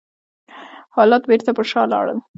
حالات بېرته پر شا لاړل.